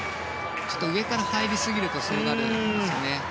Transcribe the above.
上から入りすぎるとそうなるんですね。